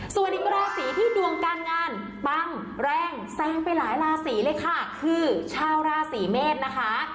ส่วนอีกราศีที่ดวงการงานปังแรงแซงไปหลายราศีเลยค่ะคือชาวราศีเมษนะคะ